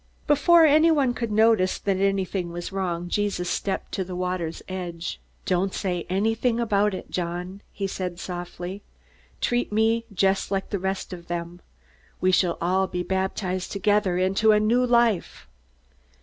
Before anyone could notice that anything was wrong, Jesus stepped to the water's edge. "Don't say anything about it, John," he said softly. "Treat me just like the rest of them. We shall all be baptized together into a new life."